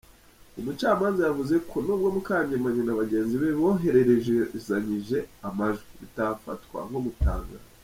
Umucamanza yavuze ko nubwo Mukangemanyi na bagenzi be bohererezanyije amajwi, bitafatwa nko gutangaza.